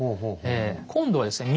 今度はですね